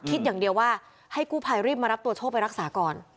คิดอย่างเดียวว่าให้กู้ภัยรีบมารับตัวโชคไปรักษาก่อน